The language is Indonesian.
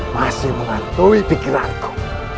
masih mengantui pikiranku